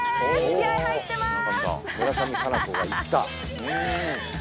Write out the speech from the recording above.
気合い入ってます